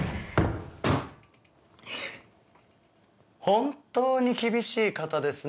本当に厳しい方ですね